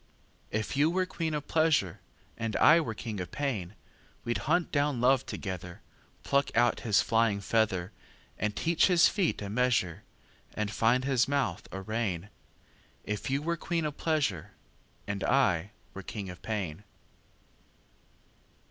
If you were queen of pleasure, And I were king of pain, We'd hunt down love together, Pluck out his flying feather, And teach his feet a measure, And find his mouth a rein; If you were queen of pleasure. And I were king of pain.